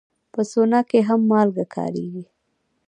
په سونا کې هم مالګه کارېږي.